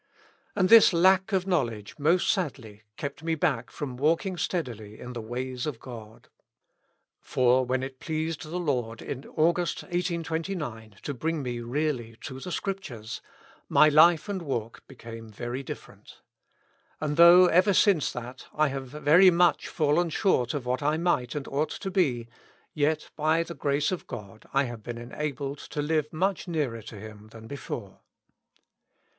And this lack of knowledge most sadly kept me back from walking steadily in the ways of God. For when it pleased the Lord in August, 1829, to bring me really to the Scriptures, my life and walk became very different. And though ever since that I have very much fallen short of what I might and ought to be, yet by the grace of God I have been enabled to live m.uch nearer to Him than before.